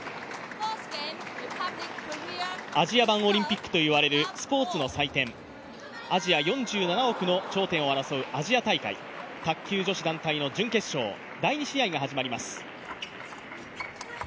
アジア版オリンピックといわれるスポーツの祭典アジア４７億の頂点を争うアジア大会、卓球女子団体の準決勝、第２試合が始まります。